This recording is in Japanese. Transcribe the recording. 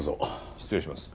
失礼します。